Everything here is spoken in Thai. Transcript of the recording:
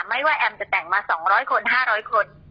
ไม่ว่าแอมจะแต่งมา๒๐๐คน๕๐๐คน